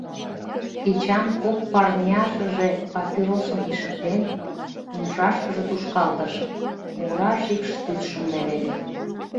— Эчан, кок парняшыже папиросым ишыктен, умшашкыже тушкалтыш, ора шикш тӱсшым леведе.